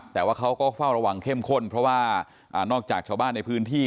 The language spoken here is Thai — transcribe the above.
แต่ว่าเขาก็เฝ้าระวังเข้มข้นเพราะว่านอกจากชาวบ้านในพื้นที่